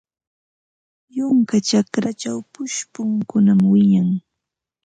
Yunka chakrachaw pushkukunam wiñan.